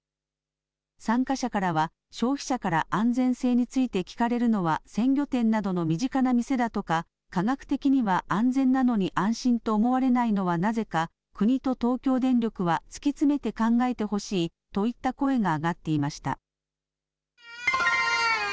参加者からは、消費者から安全性について聞かれるのは、鮮魚店などの身近な店だとか、科学的には安全なのに、安心と思われないのはなぜか国と東京電力は突き詰めて考えてほしいといった声が上がっていました。